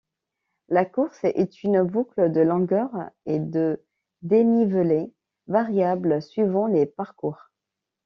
La course est une boucle de longueur et de dénivelé variables suivants les parcours.